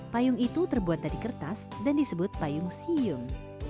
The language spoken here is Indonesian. payung itu terbuat dari kertas dan disebut payung siyung